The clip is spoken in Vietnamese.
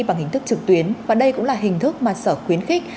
bằng hình thức trực tuyến và đây cũng là hình thức mà sở khuyến khích